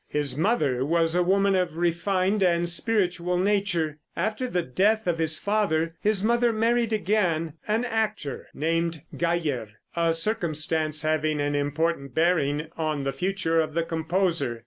His mother was a woman of refined and spiritual nature. After the death of his father, his mother married again an actor named Geyer a circumstance having an important bearing on the future of the composer.